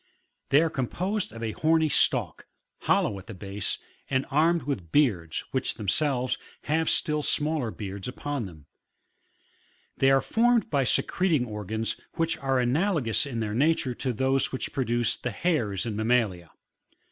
They are composed of a horny stalk, hollow at the base, and armed with beards, which them selves, have still smaller beards upon them : thoy are formed by secreting organs which are analogous in their nature to those which produce the hairs in mammalia.